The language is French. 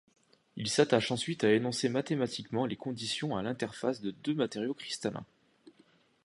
Il s'attache ensuite à énoncer mathématiquement les conditions à l'interface de deux matériaux cristallins.